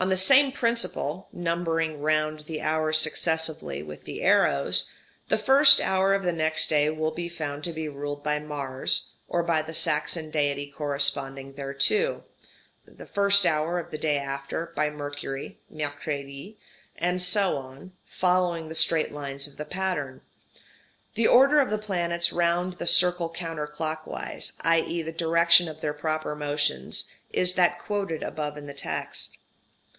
On the same principle (numbering round the hours successively, with the arrows) the first hour of the next day will be found to be ruled by Mars, or by the Saxon deity corresponding thereto; the first hour of the day after, by Mercury (Mercredi), and so on (following the straight lines of the pattern). The order of the planets round the circle counter clockwise, i.e. the direction of their proper motions, is that quoted above in the text.